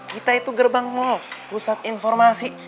kita itu gerbang mall pusat informasi